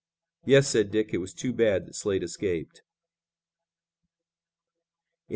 "Yes," said Dick, "it was too bad that Slade escaped."